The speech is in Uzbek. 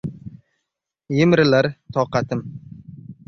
Emrilar toqatim.